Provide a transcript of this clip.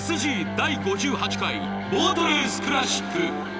第５８回ボートレースクラシック。